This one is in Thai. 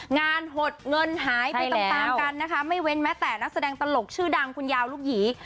หดเงินหายไปตามตามกันนะคะไม่เว้นแม้แต่นักแสดงตลกชื่อดังคุณยาวลูกหยี